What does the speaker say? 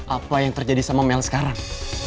apa yang terjadi sama mel sekarang